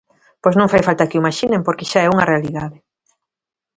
Pois non fai falta que o imaxinen, porque xa é unha realidade.